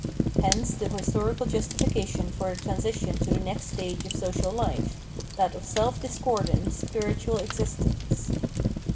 Hence the historical justifi cation for the transition to the next stage of social life, that of self discordant spiritual existence.